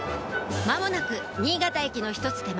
間もなく新潟駅の１つ手前